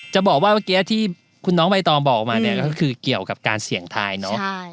จะบอกว่าเมื่อกี้ที่คุณน้องใบตองบอกมาเนี่ยก็คือเกี่ยวกับการเสี่ยงทายเนาะ